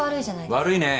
悪いねぇ！